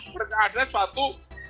mereka ada suatu